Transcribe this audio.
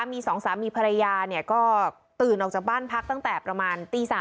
มีสองสามีภรรยาก็ตื่นออกจากบ้านพักตั้งแต่ประมาณตี๓